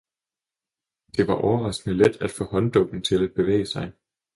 Det var overraskende let at få hånddukken til at bevæge sig.